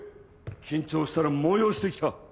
緊張したら催してきた。